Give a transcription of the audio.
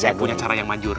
saya punya cara yang maju